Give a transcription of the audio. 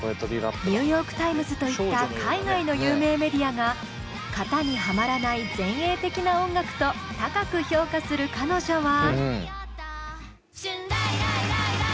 「ニューヨーク・タイムズ」といった海外の有名メディアが「型にはまらない前衛的な音楽」と高く評価する彼女は。